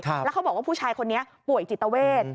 แล้วเขาบอกว่าผู้ชายคนนี้ป่วยจิตเวท